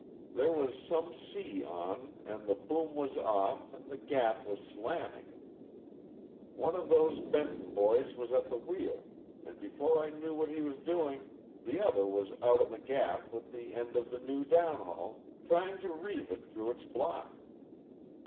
There was some sea on, and the boom was off and the gaff was slamming. One of those Benton boys was at the wheel, and before I knew what he was doing, the other was out on the gaff with the end of the new downhaul, trying to reeve it through its block.